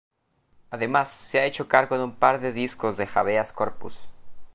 Además se ha hecho cargo de un par de discos de Habeas Corpus.